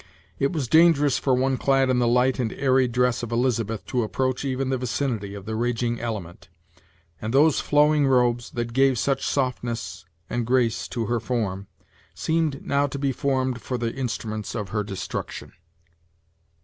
It was dangerous for one clad in the light and airy dress of Elizabeth to approach even the vicinity of the raging element; and those flowing robes, that gave such softness and grace to her form, seemed now to be formed for the instruments of her destruction.